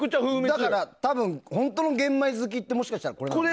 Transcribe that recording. だから多分本当の玄米好きってもしかしたらこれかも。